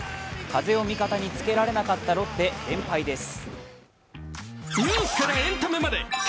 風を味方につけられなかったロッテ、連敗です。